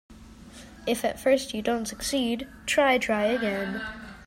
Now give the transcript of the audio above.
If at first you don't succeed, try, try again.